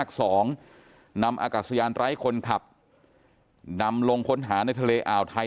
กับสุยานไร้คนขับนำลงค้นหาในทะเลอ่าวไทย